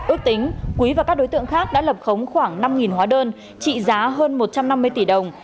ước tính quý và các đối tượng khác đã lập khống khoảng năm hóa đơn trị giá hơn một trăm năm mươi tỷ đồng